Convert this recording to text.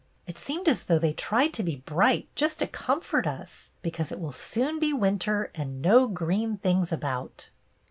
It seemed as though they tried to be bright just to com fort us, because it will soon be winter and no green things about."